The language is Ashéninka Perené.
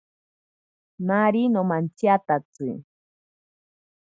Nari nomantsiatatsi.